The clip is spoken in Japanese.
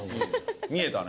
見えたね。